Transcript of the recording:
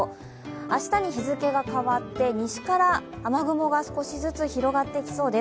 明日に日付が変わって、西から雨雲が少しずつ広がっていきそうです。